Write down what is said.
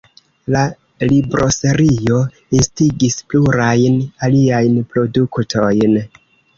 La libroserio instigis plurajn aliajn produktojn.